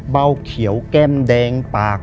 เบาเขียวแก้มแดงปาก